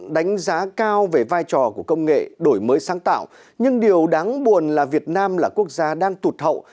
đánh giá cao về vai trò của công nghệ đổi mới sáng tạo nhưng điều đáng buồn là việt nam là quốc gia đang tụt hậu